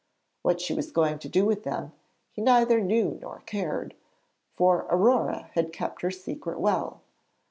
What she was going to do with them, he neither knew nor cared, for Aurore had kept her secret well.